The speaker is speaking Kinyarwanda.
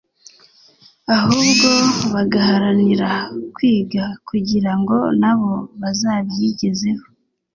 ahubwo bagaharanira kwiga kugira ngo nabo bazabyigezeho